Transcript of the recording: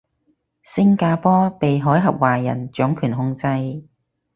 星加坡被海峽華人掌權控制